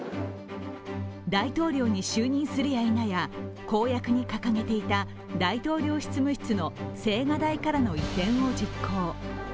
大統領に就任するやいなや、公約に掲げていた大統領執務室の青瓦台からの移転を実行。